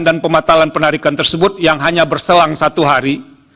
dan pembatalan penarikan tersebut yang hanya berselang satu hari